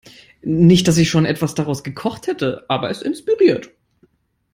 Nicht, dass ich schon etwas daraus gekocht hätte, aber es inspiriert.